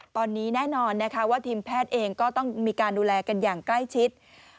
ตอนนี้แน่นอนนะคะว่าทีมแพทย์เองก็ต้องมีการดูแลกันอย่างใกล้ชิด